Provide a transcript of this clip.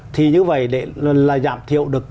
thì như vậy để giảm thiệu được